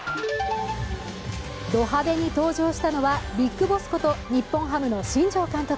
ド派手に登場したのは、ビッグボスこと日本ハムの新庄監督。